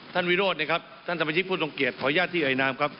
ท่านวิโรธนะครับท่านสมชิกผู้ตรงเกียจขอยาที่อายนามครับ